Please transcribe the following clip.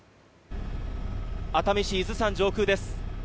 熱海市伊豆山上空です。